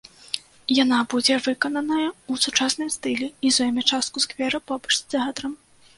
Яна будзе выкананая ў сучасным стылі і зойме частку сквера побач з тэатрам.